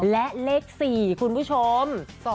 และเลข๔คุณผู้ชม